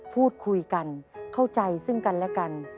พูดคุยกันเข้าใจซึ่งกันและกัน